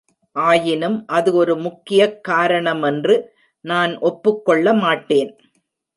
ஆயினும் அது ஒரு முக்கியக் காரணமென்று நான் ஒப்புக்கொள்ள மாட்டேன்.